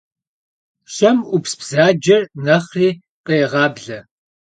Шэм Ӏупс бзаджэр нэхъри кърегъаблэ.